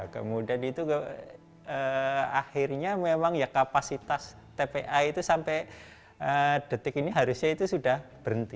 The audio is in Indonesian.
kemudian itu akhirnya memang ya kapasitas tpa itu sampai detik ini harusnya itu sudah berhenti